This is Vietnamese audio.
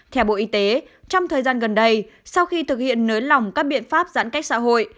theo bộ y tế trong thời gian gần đây sau khi thực hiện nới lỏng các biện pháp giãn cách xã hội